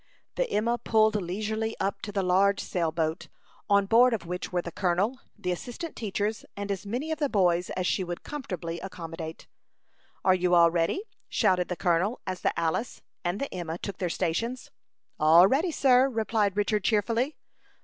The Emma pulled leisurely up to the large sail boat, on board of which were the colonel, the assistant teachers, and as many of the boys as she would comfortably accommodate. "Are you all ready?" shouted the colonel, as the Alice and the Emma took their stations. "All ready, sir," replied Richard, cheerfully.